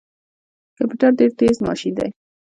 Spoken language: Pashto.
کمپيوټر ډیر تیز ماشین دی